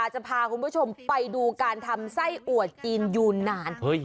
จะพาคุณผู้ชมไปดูการทำไส้อัวจีนยูนาน